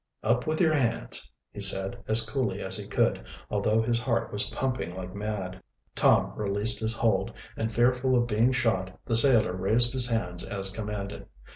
"Up with your hands," he said, as coolly as he could, although his heart was pumping like mad. Tom released his hold, and fearful of being shot, the sailor raised his hands as commanded.